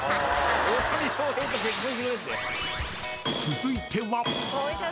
［続いては］